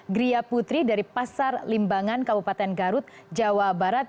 gria putri dari pasar limbangan kabupaten garut jawa barat